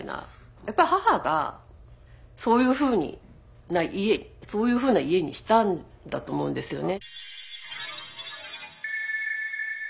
やっぱ母がそういうふうにそういうふうな家にしたんだと思うんですよね。